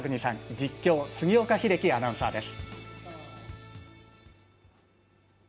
実況、杉岡英樹アナウンサーです。